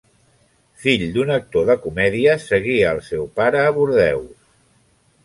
Fill d’un actor de comèdia segui al seu pare a Bordeus.